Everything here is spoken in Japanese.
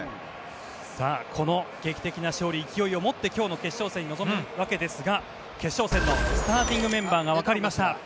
この劇的な勝利勢いを持って今日の決勝戦に臨むわけですが決勝戦のスターティングメンバーがわかりました。